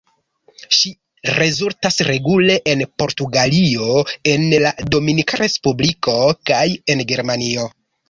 Ŝi rezultas regule en Portugalio, en la Dominika Respubliko kaj en Germanio.